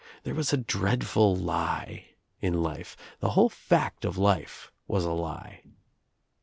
There was a dreadful lie in Ufe, the whole fact of life was a lie.